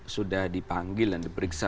sudah dipanggil dan diperiksa